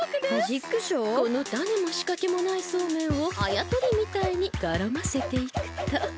このタネもしかけもないソーメンをあやとりみたいにからませていくと。